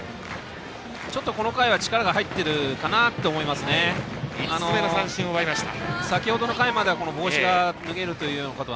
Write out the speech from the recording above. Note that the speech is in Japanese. ちょっとこの回は力が入っているかなと思いました。